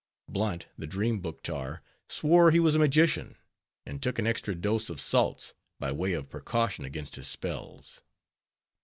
Blunt, the Dream Book tar, swore he was a magician; and took an extra dose of salts, by way of precaution against his spells.